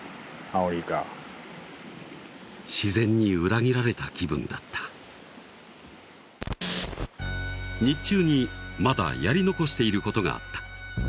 アオリイカ自然に裏切られた気分だった日中にまだやり残していることがあった